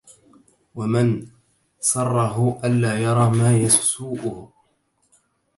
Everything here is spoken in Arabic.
ومن سره ألا يرى ما يسوؤه